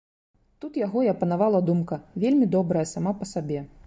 Тут яго і апанавала думка, вельмі добрая сама па сабе.